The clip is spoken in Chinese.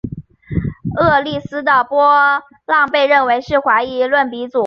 厄利斯的皮浪被认为是怀疑论鼻祖。